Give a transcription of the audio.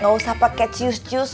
gak usah pakai cius cius